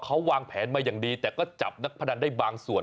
เขาวางแผนมาอย่างดีแต่ก็จับนักพนันได้บางส่วน